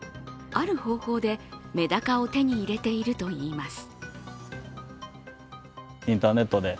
ある方法でメダカを手に入れているといいます。